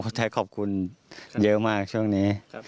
ไทยขอบคุณเยอะมากช่วงนี้